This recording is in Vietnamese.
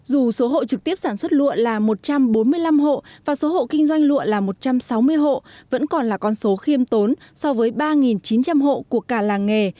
dù số hộ trực tiếp sản xuất lụa là một trăm bốn mươi năm hộ và số hộ kinh doanh lụa là một trăm sáu mươi hộ vẫn còn là con số khiêm tốn so với ba chín trăm linh hộ của cả làng nghề